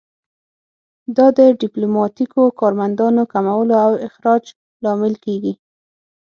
دا د ډیپلوماتیکو کارمندانو کمولو او اخراج لامل کیږي